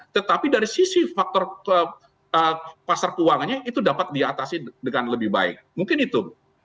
tetapi dari sisi faktor pasar keuangannya itu dapat diatasi dengan lebih baik mungkin itu